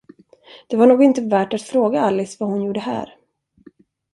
Det var nog inte värt att fråga Alice vad hon gjorde här.